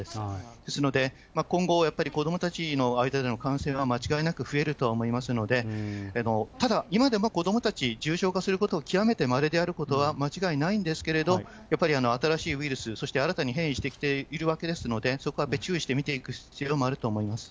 ですので、今後やっぱり、子どもたちの間での感染は間違いなく増えるとは思いますので、ただ、今でも子どもたち、重症化することは極めてまれであることは間違いないんですけれども、やっぱり新しいウイルス、そして新たに変異してきているわけですので、そこは注意して見ていく必要もあると思います。